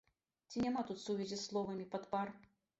Ці няма тут сувязі з словамі падпар.